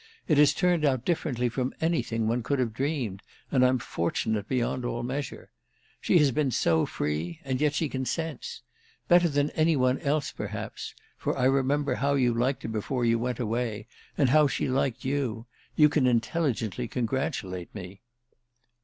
It has turned out differently from anything one could have dreamed, and I'm fortunate beyond all measure. She has been so free, and yet she consents. Better than any one else perhaps—for I remember how you liked her before you went away, and how she liked you—you can intelligently congratulate me."